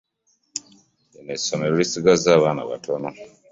Lino essomero lisiggaza abaana batono.